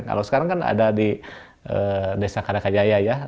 kalau sekarang kan ada di desa kadakajaya ya